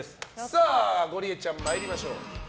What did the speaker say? ゴリエちゃん参りましょう。